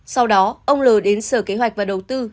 sau đó ông l đến sở kế hoạch và đầu tư